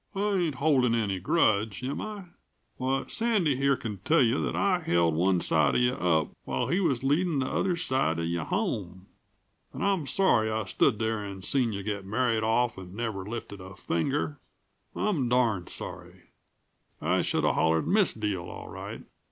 "I ain't holdin' any grudge, am I? Why, Sandy here can tell you that I held one side of you up whilst he was leadin' the other side of you home! And I am sorry I stood there and seen you get married off and never lifted a finger; I'm darned sorry. I shoulda hollered misdeal, all right.